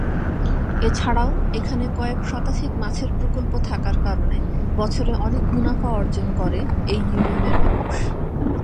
এছাড়াও এখানে কয়েক শতাধিক মাছের প্রকল্প থাকার কারণে বছরে অনেক মুনাফা অর্জন করে এই ইউনিয়নের মানুষ।